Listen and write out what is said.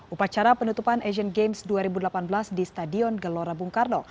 upacara penutupan asian games dua ribu delapan belas di stadion gelora bung karno